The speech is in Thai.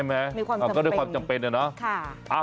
ใช่ไหมก็ด้วยความจำเป็นอ่ะเนาะ